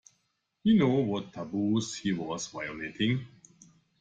He knew what taboos he was violating.